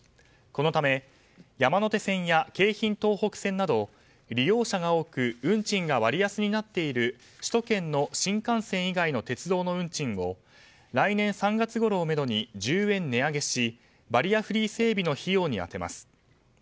このため、山手線や京浜東北線など利用者が多く運賃が割安になっている首都圏の新幹線以外の鉄道の運賃を来年３月ごろをめどに１０円値上げしバリアフリー整備の費用に充てます。